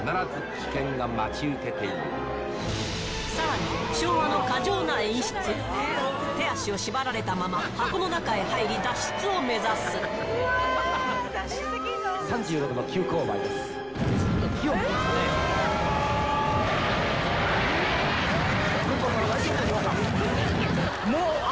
さらに手足を縛られたまま箱の中へ入り脱出を目指すうわ！